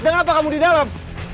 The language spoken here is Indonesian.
sedang apa kamu didalam